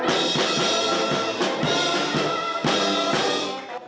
kemudian anak anak muda akan menikmati